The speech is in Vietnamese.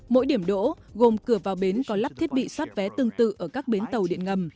mỗi điểm đỗ gồm cửa vào bến có lắp thiết bị xoát vé tương tự ở các bến tàu điện ngầm